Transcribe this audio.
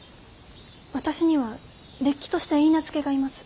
私にはれっきとした許婚がいます。